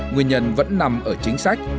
người nhân vẫn nằm ở chính sách